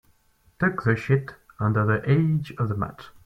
Tuck the sheet under the edge of the mat.